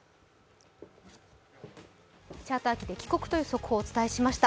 チャーター機で帰国という速報をお伝えしました。